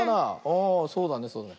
ああそうだねそうだね。